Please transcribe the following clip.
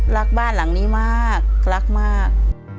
รักบ้านหลังนี้มากรักมาก